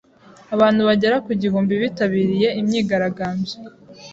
Abantu bagera ku gihumbi bitabiriye imyigaragambyo.